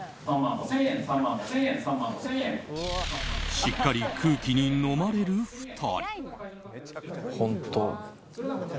しっかり空気にのまれる２人。